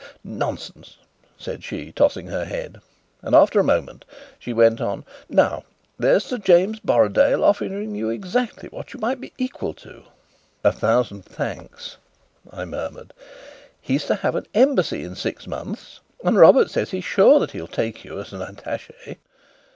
"Nonsense!" said she, tossing her head; and after a moment she went on: "Now, here's Sir Jacob Borrodaile offering you exactly what you might be equal to." "A thousand thanks!" I murmured. "He's to have an Embassy in six months, and Robert says he is sure that he'll take you as an attaché.